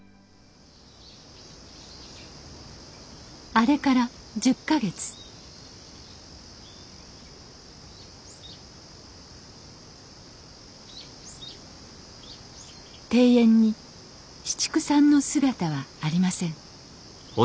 あれから１０か月庭園に紫竹さんの姿はありません